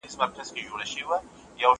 په کور کلي کي اوس ګډه واویلا وه